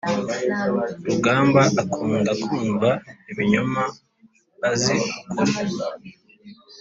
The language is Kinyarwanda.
Rugamba akunda kumva ibinyoma azi ukuri